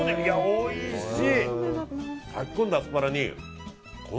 おいしい。